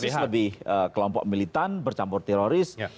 kalau isis lebih kelompok militan bercampur teroris